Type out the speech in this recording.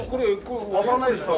上がらないですか？